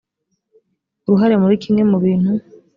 uruhare muri kimwe mu bintu